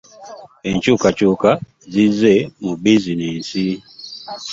Enkyukayuka zizze mu bizinensi.